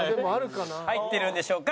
入ってるんでしょうか？